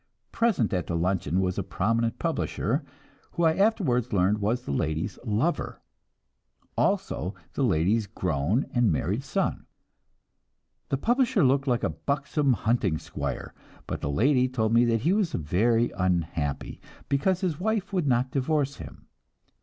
Present at the luncheon was a prominent publisher, who I afterwards learned was the lady's lover; also the lady's grown and married son. The publisher looked like a buxom hunting squire, but the lady told me that he was very unhappy, because his wife would not divorce him.